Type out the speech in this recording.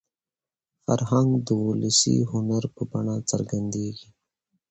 فرهنګ د ولسي هنر په بڼه څرګندېږي.